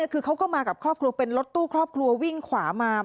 คือเขาก็มากับครอบครัวเป็นรถตู้ครอบครัววิ่งขวามา